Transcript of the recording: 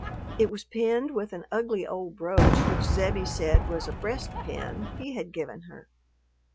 It was pinned with an ugly old brooch which Zebbie said was a "breast pin" he had given her.